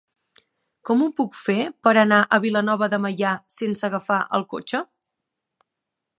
Com ho puc fer per anar a Vilanova de Meià sense agafar el cotxe?